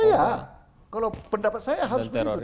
oh ya kalau pendapat saya harus begitu